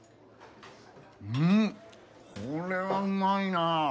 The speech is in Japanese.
んっこれはうまいなあ。